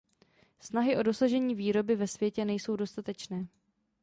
Snahy o dosažení výroby ve světě nejsou dostatečné.